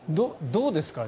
どうですか。